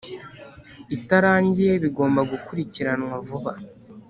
itarangiye bigomba gukurikiranwa vuba